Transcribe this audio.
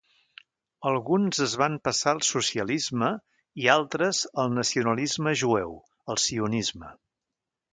Alguns es van passar al socialisme, i altres al nacionalisme jueu, el sionisme.